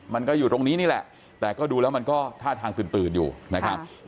มันก็อยู่ตรงนี้นี่แหละแต่ก็ดูแล้วมันก็ท่าทางตื่นอยู่นะครับ